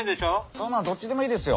そんなのどっちでもいいですよ。